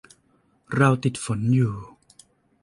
เราติดฝนอยู่